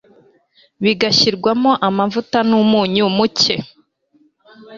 bigashyirwamo amavuta numunyu muke